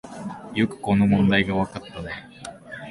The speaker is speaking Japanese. よくこの問題がわかったね